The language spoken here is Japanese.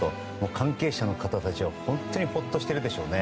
関係者の方たちは本当にほっとしているでしょうね。